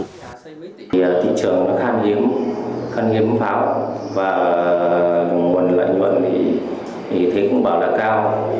thị trường khá hiếm khá hiếm pháo và nguồn lợi nhuận thì thấy cũng bảo là cao